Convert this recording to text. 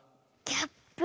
キャップ。